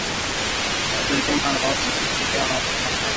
mkulima anaaswa asiviache viazi lishe ardhini kwa muda mrefu bila kuvunwa